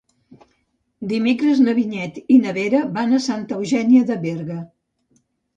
Dimecres na Vinyet i na Vera van a Santa Eugènia de Berga.